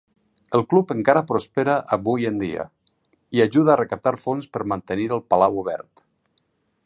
El club encara prospera avui en dia i ajuda a recaptar fons per mantenir el palau obert.